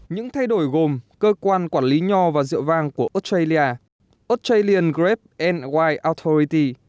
những thay đổi gồm cơ quan quản lý nho và rượu vang của australia australian grape and wine authority